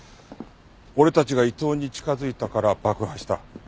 俺たちが伊藤に近づいたから爆破した。